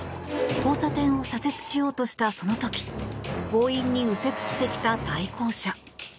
交差点を左折しようとしたその時強引に右折してきた対向車。